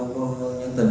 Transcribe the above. của thì xuống